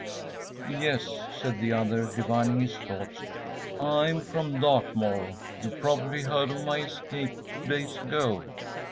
‚ÄúYes,‚ÄĚ said the other, divining his thoughts, “I'm from Dartmoor. You probably heard of my escape two days ago.